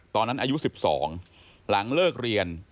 ตอนนั้นอายุ๑๒หลังเลิกเรียน